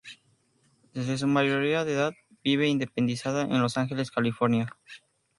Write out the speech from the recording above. Desde su mayoría de edad vive independizada en Los Ángeles, California.